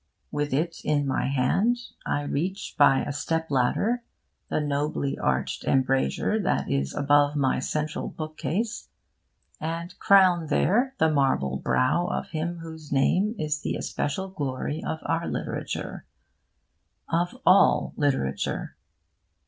With it in my hand, I reach by a step ladder the nobly arched embrasure that is above my central book case, and crown there the marble brow of him whose name is the especial glory of our literature of all literature.